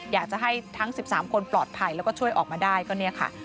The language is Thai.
อยากจะให้ทั้ง๑๓คนปลอดภัยแล้วก็ช่วยออกมาได้ก็เนี่ยค่ะ